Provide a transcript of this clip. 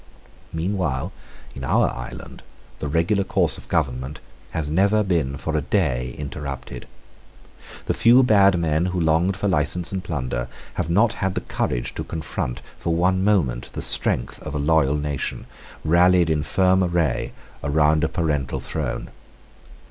Meanwhile in our island the regular course of government has never been for a day interrupted. The few bad men who longed for license and plunder have not had the courage to confront for one moment the strength of a loyal nation, rallied in firm array round a parental throne.